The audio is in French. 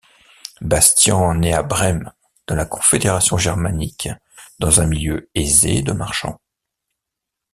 Bastian naît à Brême, dans la Confédération germanique, dans un milieu aisé de marchands.